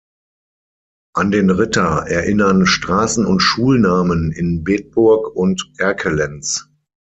An den Ritter erinnern Straßen- und Schulnamen in Bedburg und Erkelenz.